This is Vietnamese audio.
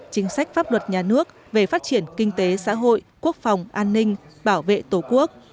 chính sách pháp luật nhà nước về phát triển kinh tế xã hội quốc phòng an ninh bảo vệ tổ quốc